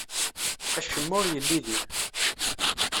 Acemma ur yelli din.